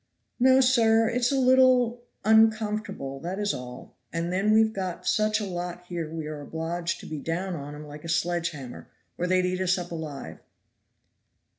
"No, sir, it's a little _on_comfortable that is all; and then we've got such a lot here we are obliged to be down on 'em like a sledge hammer, or they'd eat us up alive."